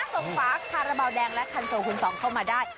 ส่งฝากคาระเบาแดงและคันโสคุณสองเข้ามาได้